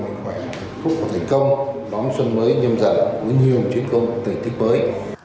mạnh khỏe tốt và thành công đón xuân mới nhâm dận nguyên hiệu chiến công thời tiết mới